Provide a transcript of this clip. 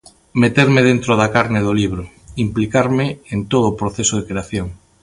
Meterme dentro da carne do libro, implicarme en todo o proceso de creación.